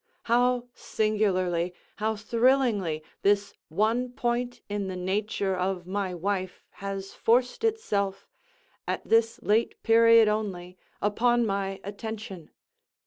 How singularly—how thrillingly, this one point in the nature of my wife has forced itself, at this late period only, upon my attention!